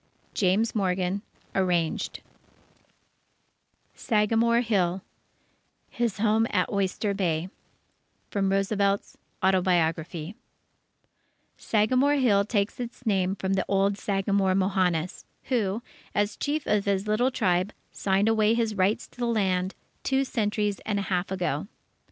James Morgan (Arranged) SAGAMORE HILL His Home at Oyster Bay From Roosevelt's Autobiography Sagamore Hill takes its name from the old Sagamore Mohannis, who, as Chief of his little tribe, signed away his rights to the land, two centuries and a half ago.